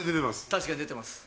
確かに出てます。